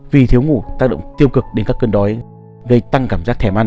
vì thiếu ngủ tác động tiêu cực đến các cân đói gây tăng cảm giác thèm ăn